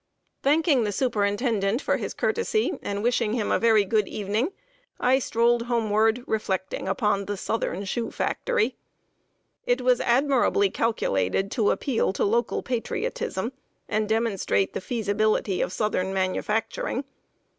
Thanking the superintendent for his courtesy, and wishing him a very good evening, I strolled homeward, reflecting upon the Southern Shoe Factory. It was admirably calculated to appeal to local patriotism, and demonstrate the feasibility of southern manufacturing.